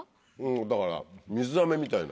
だから水あめみたいな。